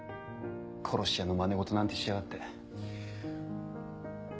殺し屋のまね事なんてしやがって。